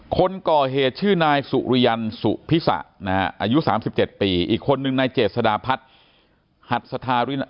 คนก่อเหตุชื่อนายสุริยันสุพิษะอายุ๓๗ปีอีกคนนึงในเจษฎาพัฒน์